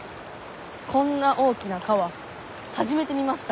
こんな大きな川初めて見ました。